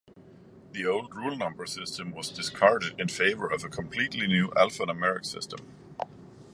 The old rule-number system was discarded in favor of a completely new alpha-numeric system.